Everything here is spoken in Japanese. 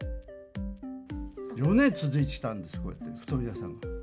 ４年続いてたんですよ、布団屋さんが。